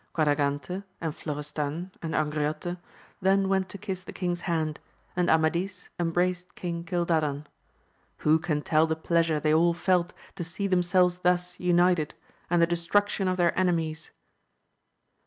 Quadragante, and Flo restan, and Angriote then went to kiss the king's hand, and Amadis embraced King Cildadan. Who can tell the pleasure they all felt to see themselves thus united, and the destruction of their enemies